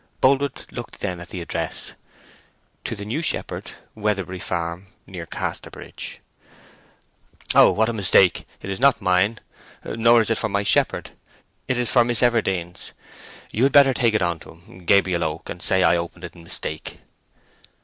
Boldwood looked then at the address— To the New Shepherd, Weatherbury Farm, Near Casterbridge "Oh—what a mistake!—it is not mine. Nor is it for my shepherd. It is for Miss Everdene's. You had better take it on to him—Gabriel Oak—and say I opened it in mistake."